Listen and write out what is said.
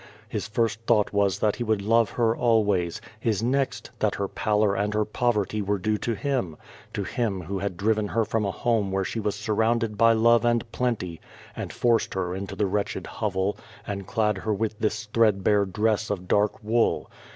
His first thought was that he would love her always, his next, that her })allor and her poverty were due to him — to him who had driven her from a home where she was sur rounded by love and plenty, and forced her into the wretch ed hovel, and clad her with this thrcjidbarc dress of dark wool.